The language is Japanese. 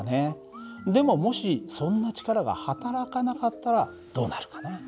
でももしそんな力がはたらかなかったらどうなるかな？